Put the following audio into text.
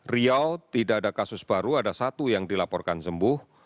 riau tidak ada kasus baru ada satu yang dilaporkan sembuh